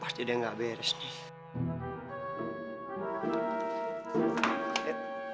pasti deh gak beres nih